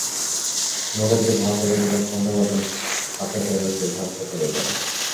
নৌকাটিকে ধাওয়া করলে দুজন সন্দেহভাজন পাচারকারী নদীতে ঝাঁপ দিয়ে পালিয়ে যান।